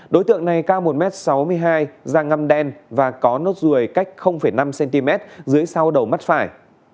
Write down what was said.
đối tượng này cao một m sáu mươi hai da ngâm đen và có nốt ruồi cách năm cm dưới sau đầu mắt phải